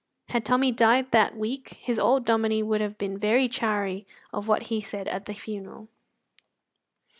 Had Tommy died that week his old Dominie would have been very chary of what he said at the funeral.